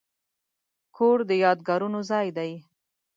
کور د یادګارونو ځای دی.